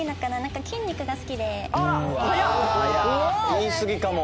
言いすぎかも。